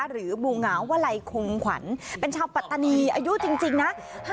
หรือหมู่เหงาวลัยคงขวัญเป็นชาวปัตตานีอายุจริงนะ